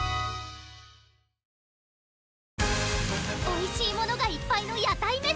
おいしいものがいっぱいの屋台飯